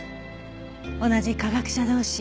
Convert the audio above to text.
同じ科学者同士